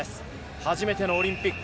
初めてのオリンピック。